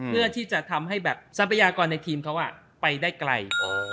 เพื่อที่จะทำให้แบบทรัพยากรในทีมเขาไปได้ไกล